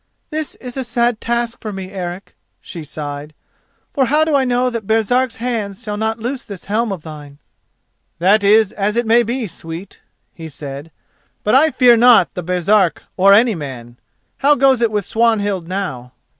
"This is a sad task for me, Eric!" she sighed, "for how do I know that Baresark's hands shall not loose this helm of thine?" "That is as it may be, sweet," he said; "but I fear not the Baresark or any man. How goes it with Swanhild now?"